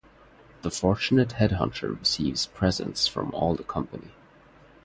The fortunate headhunter receives presents from all the company.